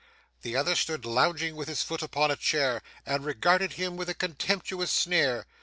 The other stood lounging with his foot upon a chair, and regarded him with a contemptuous sneer.